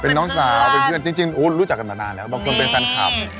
เป็นน้องสาวเป็นเพื่อนจริงรู้จักกันมานานแล้วบางคนเป็นแฟนคลับ